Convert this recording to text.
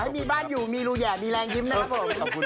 มีบ้านอยู่มีรูแห่มีแรงยิ้มนะครับผม